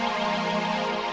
dan aku harus melindungimu